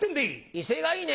威勢がいいね！